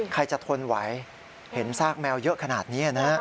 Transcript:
ใครจะทนไหวเห็นซากแมวเยอะขนาดนี้นะ